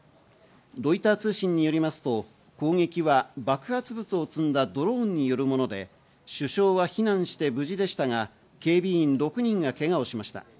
ロイター通信によりますと、攻撃は爆発物を積んだドローンによるもので、首相は避難して無事でしたが、警備員６人がけがをしました。